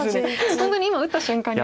本当に今打った瞬間に。